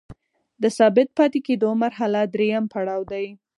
د ثابت پاتې کیدو مرحله دریم پړاو دی.